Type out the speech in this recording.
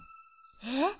えっ？